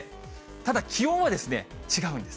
ただ気温は、違うんです。